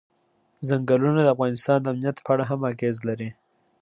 چنګلونه د افغانستان د امنیت په اړه هم اغېز لري.